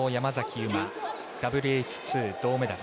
悠麻ＷＨ２銅メダル。